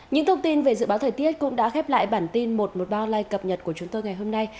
những thông tin về dự báo thời tiết cũng đã khép lại bản tin một trăm một mươi ba online cập nhật của chúng tôi ngày hôm nay